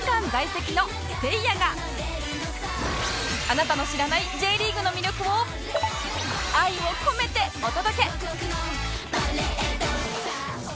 あなたの知らない Ｊ リーグの魅力を愛を込めてお届け！